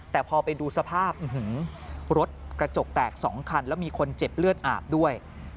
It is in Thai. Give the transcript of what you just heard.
แต่พอไปดูสภาพรถกระจกแตก๒คันแล้วมีคนเจ็บเลือดอาบด้วย